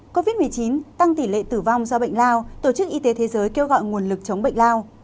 covid một mươi chín tăng tỷ lệ tử vong do bệnh lao tổ chức y tế thế giới kêu gọi nguồn lực chống bệnh lao